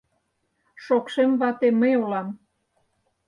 Шокшем вате мый улам.